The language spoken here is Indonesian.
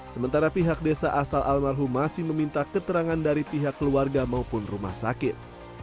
sementara pihak desa asal almarhum masih meminta keterangan dari pihak keluarga maupun rumah sakit